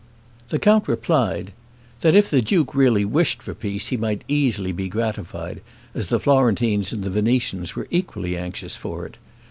The count replied, "That if the duke really wished for peace, he might easily be gratified, as the Florentines and the Venetians were equally anxious for it.